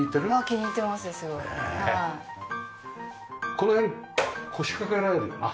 この辺腰かけられるよな。